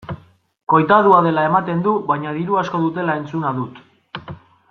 Koitadua dela ematen du baina diru asko dutela entzuna dut.